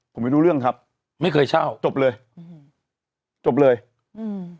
ผมไม่รู้เรื่องครับไม่เคยเช่าจบเลยอืมจบเลยอืม